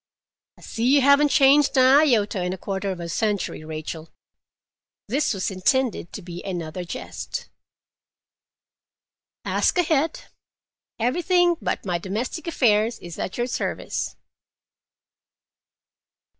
"I see you haven't changed an iota in a quarter of a century, Rachel." This was intended to be another jest. "Ask ahead: everything but my domestic affairs is at your service."